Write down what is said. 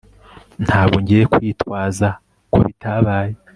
Ntabwo ngiye kwitwaza ko bitabaye